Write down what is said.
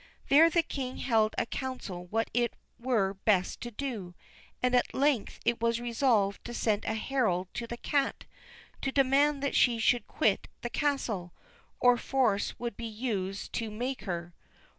There the king held a council what it were best to do, and at length it was resolved to send a herald to the cat, to demand that she should quit the castle, or force would be used to make her.